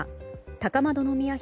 高円宮妃